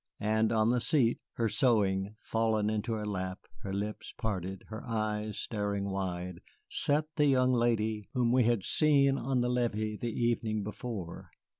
And on the seat, her sewing fallen into her lap, her lips parted, her eyes staring wide, sat the young lady whom we had seen on the levee the evening before.